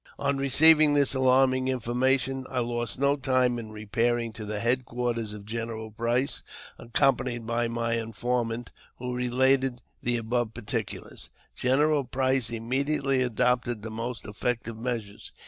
On receiving this alarming information, I lost no time in re pairing to the headquarters of General Price, accompanied by my informant, who related the above particulars. General Price immediately adopted the most effective measures.